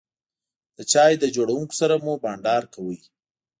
د چای له جوړونکي سره مو بانډار کاوه.